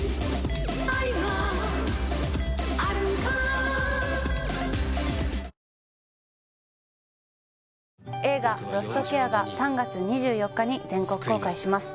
もう無理映画「ロストケア」が３月２４日に全国公開します